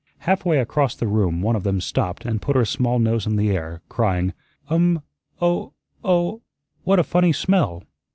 Half way across the room one of them stopped and put her small nose in the air, crying, "Um o o, what a funnee smell!"